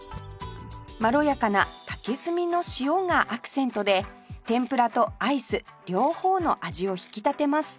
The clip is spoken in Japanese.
まろやかな竹炭の塩がアクセントで天ぷらとアイス両方の味を引き立てます